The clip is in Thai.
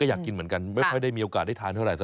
อยากกินเหมือนกันไม่ค่อยได้มีโอกาสได้ทานเท่าไหร